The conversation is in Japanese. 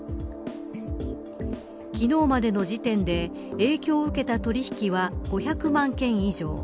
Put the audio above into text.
昨日までの時点で影響を受けた取引は５００万件以上。